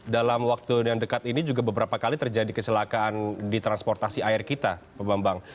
dalam waktu yang dekat ini juga beberapa kali terjadi kecelakaan di transportasi air kita pak bambang